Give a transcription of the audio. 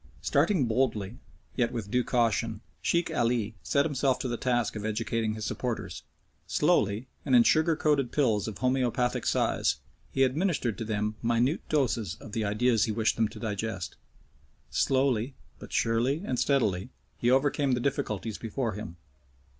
Starting boldly, yet with due caution, Sheikh Ali set himself to the task of educating his supporters. Slowly, and in sugar coated pills of homeopathic size, he administered to them minute doses of the ideas he wished them to digest. Slowly, but surely and steadily, he overcame the difficulties before him.